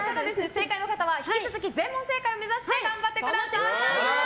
正解の方は引き続き全問正解を目指して頑張ってください！